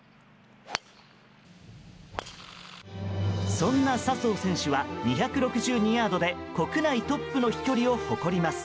そんな笹生選手は２６２ヤードで国内トップの飛距離を誇ります。